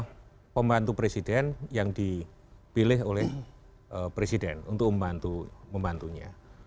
nah menteri ini pembantu presiden yang dibilih oleh presiden untuk membantu membantunya